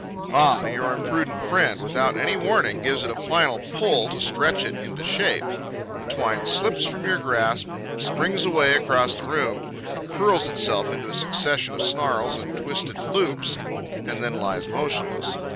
Ah! your imprudent friend, without any warning, gives it a final pull to stretch it into shape. The twine slips from your grasp, springs away across the room, curls itself into a succession of snarls and twisted loops, and then lies motionless.